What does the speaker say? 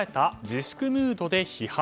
自粛ムードで批判。